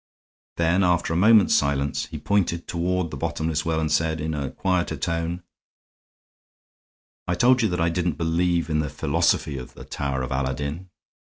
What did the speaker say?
Then, after a moment's silence, he pointed toward the bottomless well and said, in a quieter tone: "I told you that I didn't believe in the philosophy of the Tower of Aladdin.